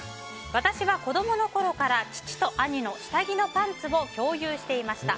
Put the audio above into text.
私は子供のころから父と兄の下着のパンツを共有していました。